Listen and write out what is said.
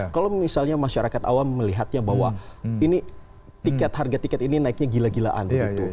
kalau misalnya masyarakat awam melihatnya bahwa ini tiket harga tiket ini naiknya gila gilaan begitu